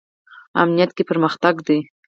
امنیت کې پرمختګ دی